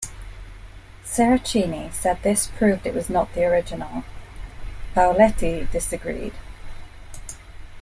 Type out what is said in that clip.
Seracini said this proved it was not the original; Paoletti disagreed.